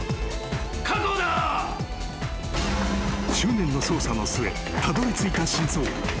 ［執念の捜査の末たどりついた真相］